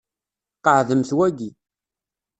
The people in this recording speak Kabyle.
Qeɛdemt waki.